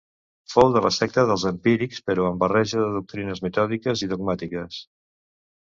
Fou de la secta dels empírics, però amb barreja de doctrines metòdiques i dogmàtiques.